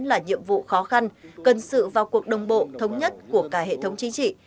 là nhiệm vụ khó khăn cần sự vào cuộc đồng bộ thống nhất của cả hệ thống chính trị